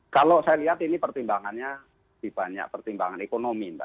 kalau saya lihat ini pertimbangannya dibanyak pertimbangan ekonomi mbak